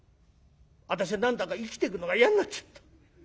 私は何だか生きてくのが嫌になっちゃった。